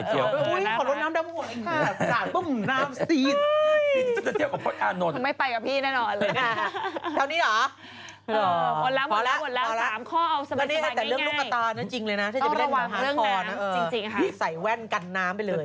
เหรียญใส่แว่นกันน้ำไปเลย